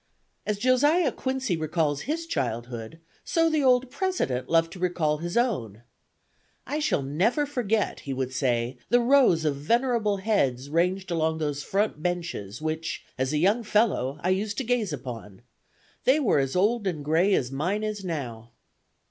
As Josiah Quincy recalls his childhood, so the old President loved to recall his own. "I shall never forget," he would say, "the rows of venerable heads ranged along those front benches which, as a young fellow, I used to gaze upon. They were as old and gray as mine is now."